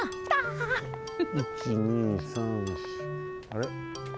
あれ？